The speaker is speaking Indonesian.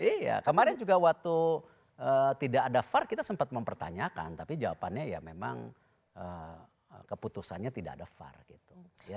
iya kemarin juga waktu tidak ada var kita sempat mempertanyakan tapi jawabannya ya memang keputusannya tidak ada var gitu